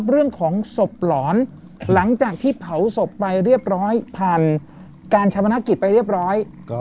เรื่องของศพหลอนหลังจากที่เผาศพไปเรียบร้อยผ่านการชามนักกิจไปเรียบร้อย